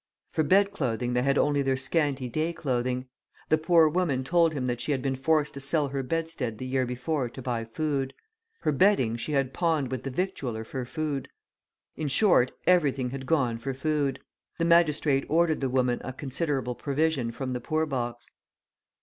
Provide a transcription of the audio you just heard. For bed clothing they had only their scanty day clothing. The poor woman told him that she had been forced to sell her bedstead the year before to buy food. Her bedding she had pawned with the victualler for food. In short, everything had gone for food. The magistrate ordered the woman a considerable provision from the poor box.